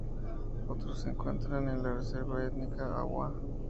Otros se encuentran en la Reserva Étnica Awá.